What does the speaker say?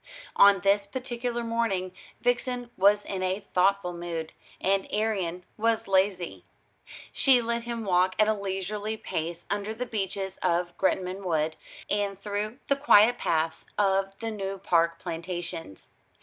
On this particular morning Vixen was in a thoughtful mood, and Arion was lazy. She let him walk at a leisurely pace under the beeches of Gretnam Wood, and through the quiet paths of the New Park plantations.